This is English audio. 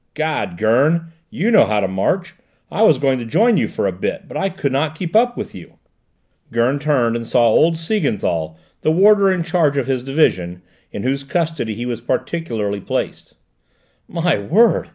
"'Gad, Gurn, you know how to march! I was going to join you for a bit, but I could not keep up with you." Gurn turned and saw old Siegenthal, the warder in charge of his division, in whose custody he was particularly placed. "My word!"